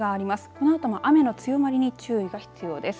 このあとも雨の強まりに注意が必要です。